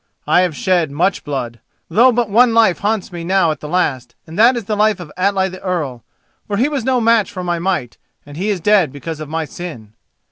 I have shed much blood, though but one life haunts me now at the last, and that is the life of Atli the Earl, for he was no match for my might and he is dead because of my sin.